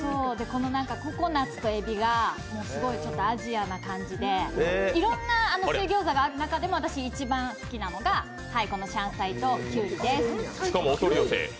このココナッツとエビが、すごいちょっとアジアな感じでいろんな水ギョーザがある中でも一番好きなのがこの香菜と胡瓜です。